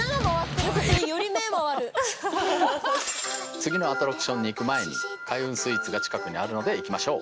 次のアトラクションに行く前に開運スイーツが近くにあるので行きましょう！